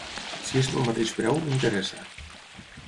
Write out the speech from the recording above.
Si és pel mateix preu m'interessa.